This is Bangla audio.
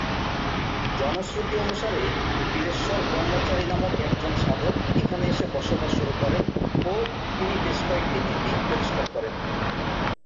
জনশ্রুতি অনুসারে, বীরেশ্বর-ব্রহ্মচারী নামক একজন সাধক এখানে এসে বসবাস শুরু করেন ও তিনি বেশ কয়েকটি ঢিবি পরিষ্কার করেন।